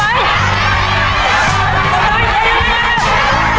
ร่มแล้ว